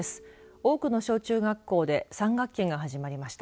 多くの小中学校で３学期が始まりました。